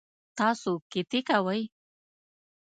تاسو قطعی کوئ؟